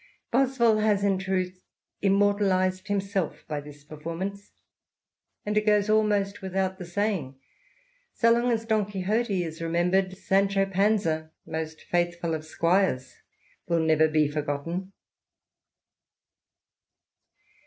Boswell has, in truth, immortalised himself by this performance; and it goes almost without the saying — so long as Don Quixote is remembered, Sancho Panza, most faithful of squires, will never be forgotten.